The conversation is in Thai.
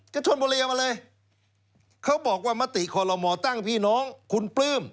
ชนบุรีเอามาเลยเขาบอกว่ามติคอลโลมอตั้งพี่น้องคุณปลื้ม